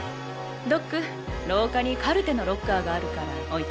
ドック廊下にカルテのロッカーがあるから置いてきて。